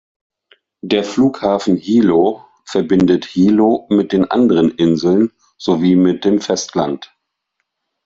Der Flughafen Hilo verbindet Hilo mit den anderen Inseln sowie mit dem Festland.